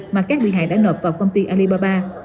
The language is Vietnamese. mà các bị hại đã nộp vào công ty alibaba